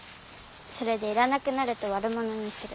それでいらなくなるとわるものにする。